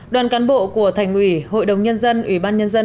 đoàn cán bộ của thành ủy hội đồng nhân dân ủy ban nhân dân